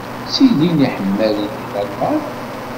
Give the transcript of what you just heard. Ttilin yiḥemmalen deg Lalman?